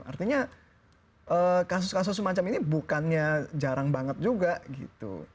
artinya kasus kasus semacam ini bukannya jarang banget juga gitu